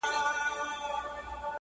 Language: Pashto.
واړه او لوی ښارونه.!